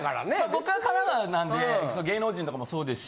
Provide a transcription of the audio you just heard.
僕は神奈川なんで芸能人とかもそうですし。